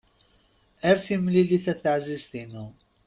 Ar timlilit a taεzizt-inu!